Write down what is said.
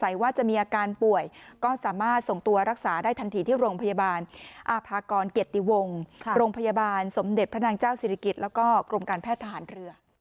แล้วก็กรมการแพทย์ทหารเรือ